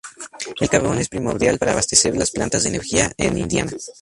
El carbón es primordial para abastecer las plantas de energía en Indiana.